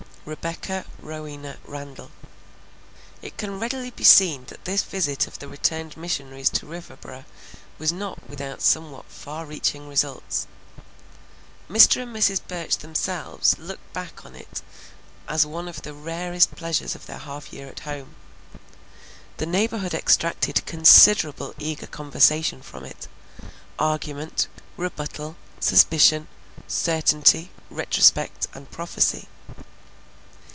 Rebecca Rowena Randall. It can readily be seen that this visit of the returned missionaries to Riverboro was not without somewhat far reaching results. Mr. and Mrs. Burch themselves looked back upon it as one of the rarest pleasures of their half year at home. The neighborhood extracted considerable eager conversation from it; argument, rebuttal, suspicion, certainty, retrospect, and prophecy.